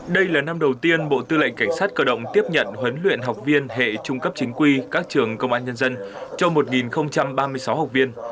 đây là năm đầu tiên bộ tư lệnh cảnh sát cơ động tiếp nhận huấn luyện học viên hệ trung cấp chính quy các trường công an nhân dân cho một ba mươi sáu học viên